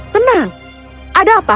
tenang ada apa